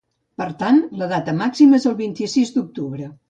Per tant, la data màxima és el vint-i-sis d’octubre.